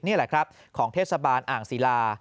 นี่แหละครับของเทศบาลอ่างศิลา